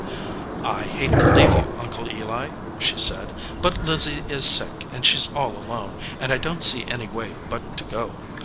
"I hate to leave you, Uncle Eli," she said ; "but Lizzie, is sick and she s all alone, and I don t see any way but to go.